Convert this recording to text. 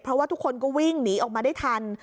เพราะว่าทุกคนก็วิ่งหนีออกมาได้ทัน